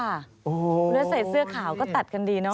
แล้วใส่เสื้อขาวก็ตัดกันดีเนอ